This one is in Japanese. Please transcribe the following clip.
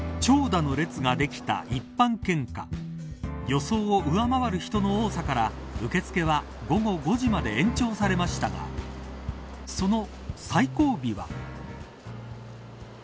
予想を上回る人の多さから受け付けは午後５時まで延長されましたがその最後尾は。